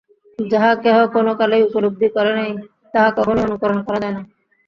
যাহা কেহ কোনকালেই উপলব্ধি করে নাই, তাহা কখনই অনুকরণ করা যায় না।